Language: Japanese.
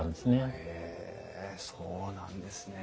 へえそうなんですね。